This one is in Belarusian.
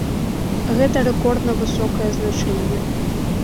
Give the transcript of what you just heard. Гэта рэкордна высокае значэнне.